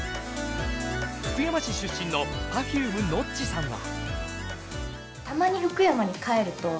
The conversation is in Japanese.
福山市出身のＰｅｒｆｕｍｅのっちさんは。